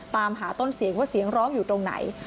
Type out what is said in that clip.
ตามหาต้นเสียงว่าเสียงร้องอยู่ตรงไหน